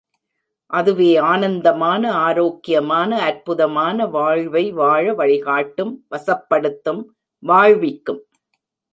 அதுவே ஆனந்தமான, ஆரோக்கியமான, அற்புதமான வாழ்வை வாழ வழிகாட்டும், வசப்படுத்தும் வாழ்விக்கும்.